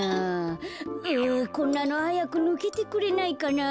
あこんなのはやくぬけてくれないかな。